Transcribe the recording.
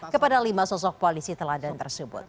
dua ribu dua puluh tiga kepada lima sosok polisi teladan tersebut